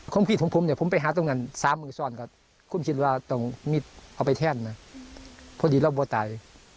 ของพี่ทุ่มผมไปหาตรงนั้น๓มือซ่อนกันคุณคิดว่าตรงนี้เอาไปแทนนะเพราะดีล่ะไม่ตาย